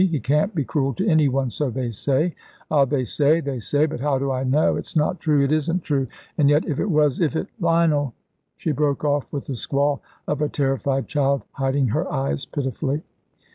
He can't be cruel to any one, so they say ah, they say, they say; but how do I know? It's not true, it isn't true, and yet if it was if it Lionel " She broke off with the squall of a terrified child, hiding her eyes pitifully.